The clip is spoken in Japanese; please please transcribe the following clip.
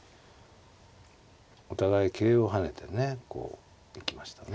お互い桂を跳ねてねこう行きましたね。